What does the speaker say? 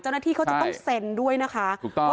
เจ้าหน้าที่เขาจะต้องเซ็นด้วยนะคะถูกต้อง